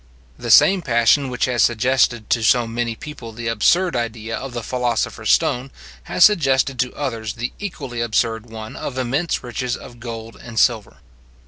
The same passion which has suggested to so many people the absurd idea of the philosopher's stone, has suggested to others the equally absurd one of immense rich mines of gold and silver.